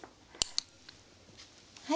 はい。